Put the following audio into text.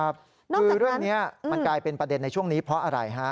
คือเรื่องนี้มันกลายเป็นประเด็นในช่วงนี้เพราะอะไรฮะ